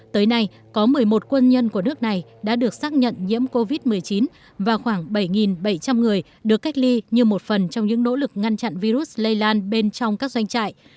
tới nay có một mươi một quân nhân của nước này đã được xác nhận nhiễm covid một mươi chín và khoảng bảy bảy trăm linh người được cách ly như một phần trong những nỗ lực ngăn chặn virus lây lan bên trong các doanh trại